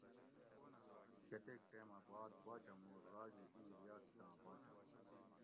کتیک ٹیمہ باد باچہ مُور راجو اِیں ریاستاں باچہ.